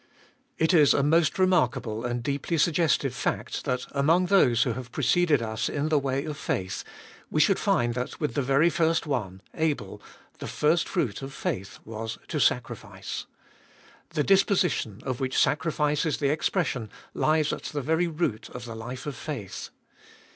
It is a most remarkable and deeply suggestive fact that among those who have preceded us in the way of faith, we should find that with the very first one, Abel, the first fruit of faith was to sacrifice. The disposition, of which sacrifice is the expression, lies at the very root of the life of faith.